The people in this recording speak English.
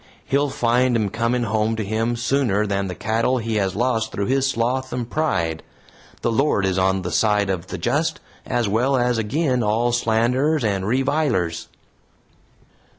He'll find 'em coming home to him sooner than the cattle he has lost through his sloth and pride. The Lord is on the side of the just, as well as agin all slanderers and revilers."